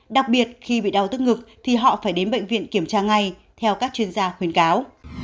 đặc biệt khi bị đau tức ngực thì họ phải đến bệnh viện kiểm tra ngay theo các chuyên gia khuyến cáo